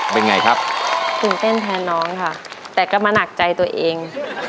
เป็นไงครับตื่นเต้นแทนน้องค่ะแต่ก็มาหนักใจตัวเอง